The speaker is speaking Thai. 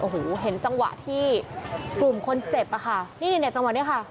โอ้โหเห็นจังหวะที่กลุ่มคนเจ็บอะค่ะนี่เนี่ยจังหวะนี้ค่ะ